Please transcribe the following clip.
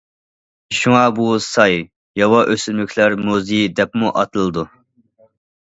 شۇڭا بۇ ساي‹‹ ياۋا ئۆسۈملۈكلەر مۇزېيى›› دەپمۇ ئاتىلىدۇ.